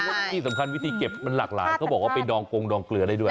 แล้วที่สำคัญวิธีเก็บมันหลากหลายเขาบอกว่าไปดองกงดองเกลือได้ด้วย